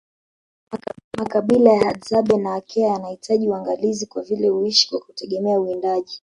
Makabila ya Hadzabe na Akea yanahitaji uangalizi kwa vile huishi kwa kutegemea uwindaji